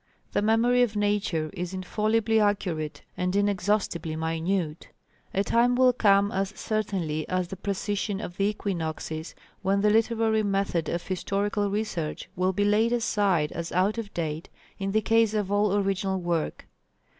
The memory of Nature is infallibly accurate and inexhaustibly minute. A time will come as certainly as the precession of the equinoxes, when the literary method of historical research will be laid aside as out of date, in the case of all original work.